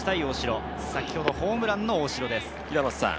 先ほどホームランの大城です。